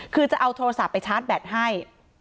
คือจะเอาโทรศัพท์ไปชาร์จแบตให้